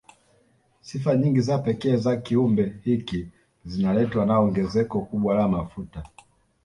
Sifa nyingi za pekee za kiumbe hiki zinaletwa na ongezeko kubwa la mafuta